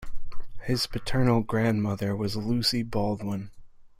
His paternal grandmother was Lucy Baldwin.